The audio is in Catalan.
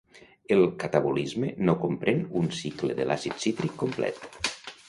El catabolisme no comprèn un cicle de l'àcid cítric complet.